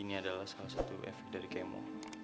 ini adalah salah satu efek dari kemo